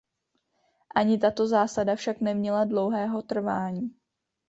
Ani tato zásada však neměla dlouhého trvání.